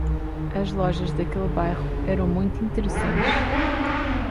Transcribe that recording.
As lojas daquele bairro eram muito interessantes.